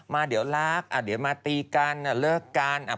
มาเดี๋ยวรักเดี๋ยวมาตีกันเลิกกัน